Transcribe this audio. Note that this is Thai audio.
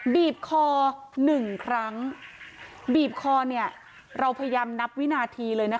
บีบคอหนึ่งครั้งบีบคอเนี่ยเราพยายามนับวินาทีเลยนะคะ